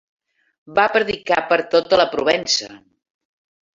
Va predicar per tota la Provença.